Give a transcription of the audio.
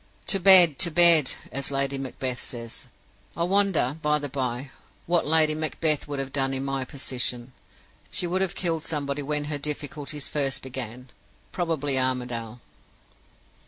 "'To bed! to bed!' as Lady Macbeth says. I wonder, by the by, what Lady Macbeth would have done in my position? She would have killed somebody when her difficulties first began. Probably Armadale.